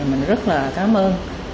mình rất là cảm ơn